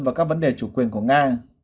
vào các vấn đề chủ quyền của nga